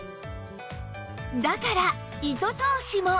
だから糸通しも